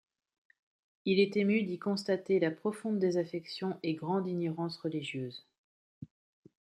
Il est ému d’y constater la profonde désaffection et grande ignorance religieuse.